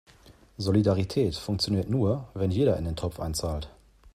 Solidarität funktioniert nur, wenn jeder in den Topf einzahlt.